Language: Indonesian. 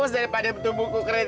gua ngarepin bukan buku kredit